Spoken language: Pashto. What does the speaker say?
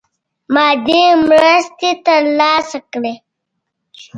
مادي مرستي تر لاسه کړي.